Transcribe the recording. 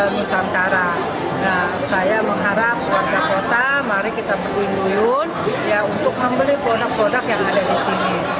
nusantara saya mengharap warga kota mari kita berkunjung untuk membeli produk produk yang ada di sini